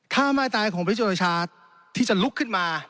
ท่าไม้ตายของประเทศโจรโอชาที่จะลุกขึ้นมา